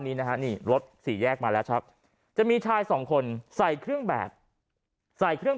นี้รถสี่แยกมาแล้วจะมีชาย๒คนใส่เครื่องแบบใส่เครื่อง